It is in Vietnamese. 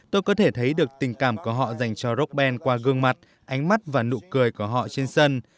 tôi có thể thấy được tình cảm của họ dành cho rock ban qua gương mặt ánh mắt và nụ cười của họ trên sân